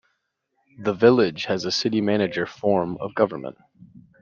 The Village has a City Manager form of government.